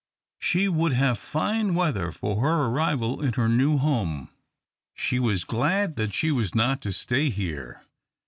She would have fine weather for her arrival in her new home. She was glad that she was not to stay here.